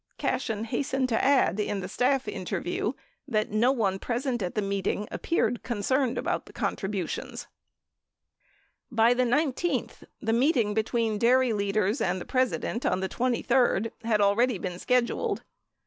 Cashen hastened to add, in the staff interview, that no one present at the meeting appeared concerned about the contributions. 34 By the 19th, the meeting between the dairy leaders and the Presi dent on the 23d had already been scheduled.